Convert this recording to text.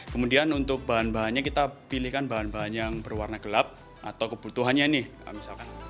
kemudian untuk bahan bahannya kita pilihkan bahan bahan yang berwarna gelap atau kebutuhannya nih misalkan